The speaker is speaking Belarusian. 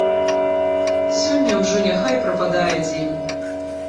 Сёння ўжо няхай прападае дзень.